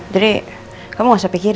jadi kamu gak sabar sabar